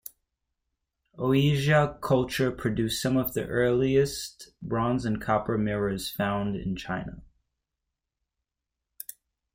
Qijia culture produced some of the earliest bronze and copper mirrors found in China.